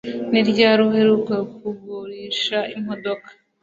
Ni ryari uheruka kugurisha imodoka